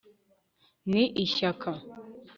ni ishyaka